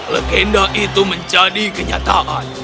legenda itu menjadi kenyataan